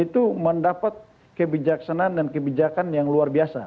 itu mendapat kebijaksanaan dan kebijakan yang luar biasa